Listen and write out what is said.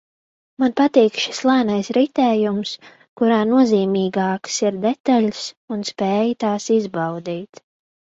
Man patīk šis lēnais ritējums, kurā nozīmīgākas ir detaļas un spēja tās izbaudīt